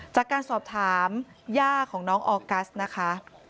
จากการสอบถามย่าของน้องออกัสนะคะ